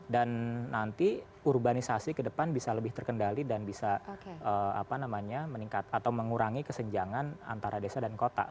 dan nanti urbanisasi kedepan bisa lebih terkendali dan bisa apa namanya meningkat atau mengurangi kesenjangan antara desa dan kota